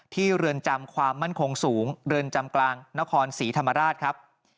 เรือนจำความมั่นคงสูงเรือนจำกลางนครศรีธรรมราชครับ